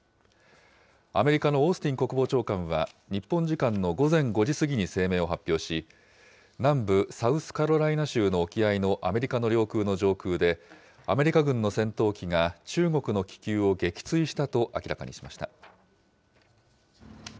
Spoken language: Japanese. アメリカのオースティン国防長官は、日本時間の午前５時過ぎに声明を発表し、南部サウスカロライナ州の沖合のアメリカの領空の上空で、アメリカ軍の戦闘機が、中国の気球を撃墜したと明らかにしました。